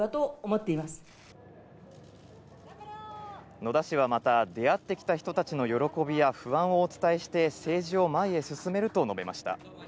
野田氏はまた、出会ってきた人たちの喜びや不安をお伝えして政治を前へ進めると述べました。